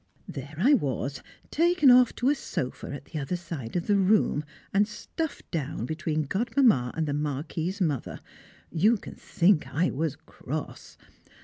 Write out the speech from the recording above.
There I was, taken off to a sofa at the other side of the room, and stuffed down between Godmamma and the Marquis's mother. You can think I was cross.